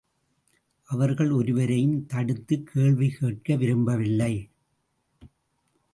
அவர்கள் ஒருவரையும் தடுத்துக் கேள்வி கேட்க விரும்பவில்லை.